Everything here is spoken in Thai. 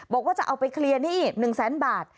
บอกว่าจะเอาไปเคลียร์หนี้๑แสนบาท